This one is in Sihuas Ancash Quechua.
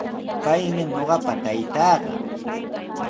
Paymi ñuqapa taytaaqa.